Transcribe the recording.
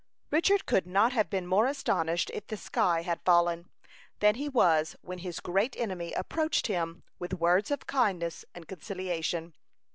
Richard could not have been more astonished if the sky had fallen, than he was when his great enemy approached him with words of kindness and conciliation.